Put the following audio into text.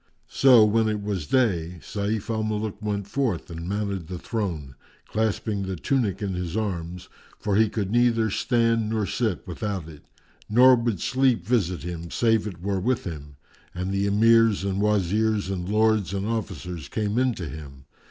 So, when it was day, Sayf al Muluk went forth and mounted the throne, clasping the tunic in his arms, for he could neither stand nor sit without it, nor would sleep visit him save it were with him; and the Emirs and Wazirs and Lords and Officers came in to him.